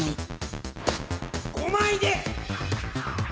５枚で！